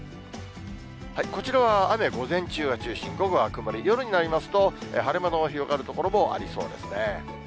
こちらは雨、午前中が中心、午後は曇り、夜になりますと、晴れ間の広がる所もありそうですね。